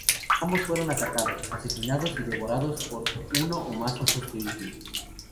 Ambos fueron atacados, asesinados y devorados por uno o más osos grizzly.